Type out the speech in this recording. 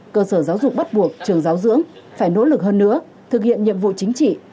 cơ sở giáo dục bắt buộc trường giáo dưỡng phải nỗ lực hơn nữa thực hiện nhiệm vụ chính trị